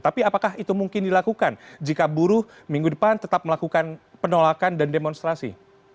tapi apakah itu mungkin dilakukan jika buruh minggu depan tetap melakukan penolakan dan demonstrasi